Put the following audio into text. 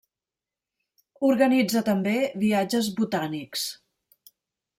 Organitza també viatges botànics.